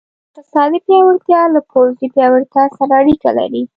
اقتصادي پیاوړتیا له پوځي پیاوړتیا سره اړیکه لري.